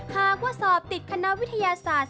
หากว่าสอบติดคณะวิทยาศาสตร์